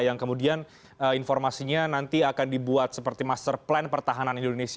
yang kemudian informasinya nanti akan dibuat seperti master plan pertahanan indonesia